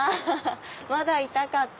まだいたかった。